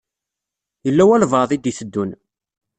Yella walbaɛḍ i d-iteddun.